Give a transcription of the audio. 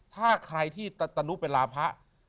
ถ้าใครที่ตนุเป็นลาพะ